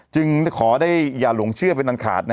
ขอได้อย่าหลงเชื่อเป็นอันขาด